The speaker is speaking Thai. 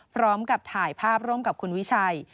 พร้อมกับถ่ายภาพร่วมกับคุณวิชัย